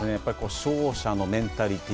勝者のメンタリティー